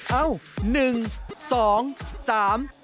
เอ้าหนึ่งสองสาม